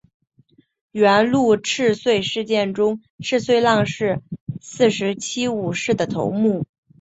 元禄赤穗事件中赤穗浪士四十七武士的头目。